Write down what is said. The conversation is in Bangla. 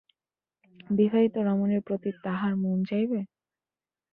বিবাহিত রমণীর প্রতি তাহার মন যাইবে?